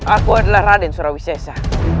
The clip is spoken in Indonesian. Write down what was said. aku adalah raden surawisesa